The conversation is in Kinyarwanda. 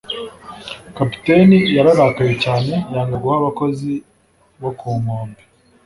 kapiteni yararakaye cyane yanga guha abakozi bo ku nkombe